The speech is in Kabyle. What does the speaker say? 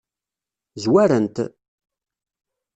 Zwaren-t?